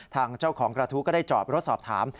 ทางเจ้าของกระทู้ก็ได้จอบรถสอบถาม